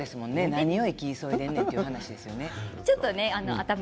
何を生き急いでということですよね。